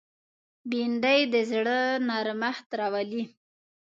بېنډۍ د زړه نرمښت راولي